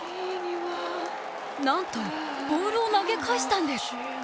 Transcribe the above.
なんとボールを投げ返したんです。